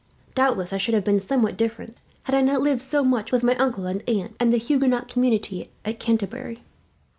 Doubtless I should have been somewhat different, had I not lived so much with my uncle and aunt and the Huguenot community at Canterbury.